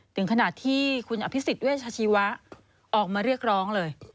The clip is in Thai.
ถึงขนาดที่คุณอภิษฎเวชาชีวะออกมาเรียกร้องเลย